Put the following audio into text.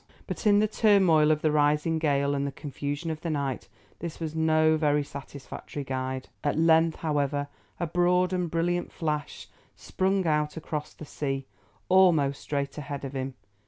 But in the turmoil of the rising gale and the confusion of the night, this was no very satisfactory guide. At length, however, a broad and brilliant flash sprung out across the sea, almost straight ahead of him.